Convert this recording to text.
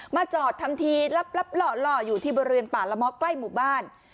จอดทำทีลับหล่ออยู่ที่บริเวณป่าละเมาะใกล้หมู่บ้าน